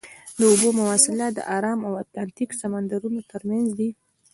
د اوبو مواصلات د ارام او اتلانتیک سمندرونو ترمنځ دي.